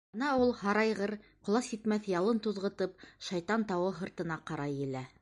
Ана ул, һарайғыр, ҡолас етмәҫ ялын туҙғытып Шайтан тауы һыртына ҡарай елә.